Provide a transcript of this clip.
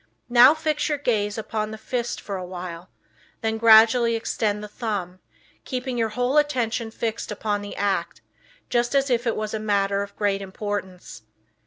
Now fix your gaze upon the fist for a while, then gradually extend the thumb, keeping your whole attention fixed upon the act, just as if it was a matter of great importance.